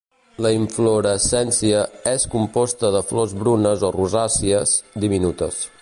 La inflorescència és composta de flors brunes o rosàcies, diminutes.